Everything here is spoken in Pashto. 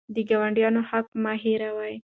د ګاونډي حق مه هېروئ.